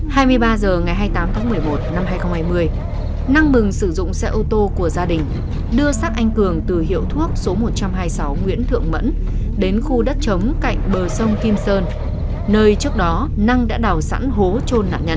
hai mươi ba h ngày hai mươi tám tháng một mươi một năm hai nghìn hai mươi năng mừng sử dụng xe ô tô của gia đình đưa xác anh cường từ hiệu thuốc số một trăm hai mươi sáu nguyễn thượng mẫn đến khu đất chống cạnh bờ sông kim sơn nơi trước đó năng đã đào sẵn hố trôn nạn nhân